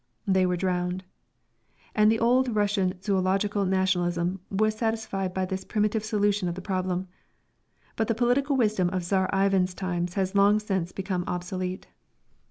They were drowned. And the old Russian "zoological" nationalism was satisfied by this primitive solution of the problem. But the political wisdom of Czar Ivan's times has long since become obsolete.